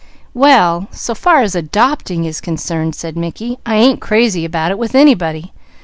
"Well so far as 'adopting' is concerned," said Mickey, "I ain't crazy about it, with anybody.